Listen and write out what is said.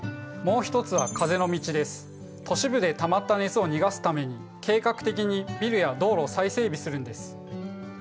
都市部でたまった熱を逃がすために計画的にビルや道路を再整備するんです。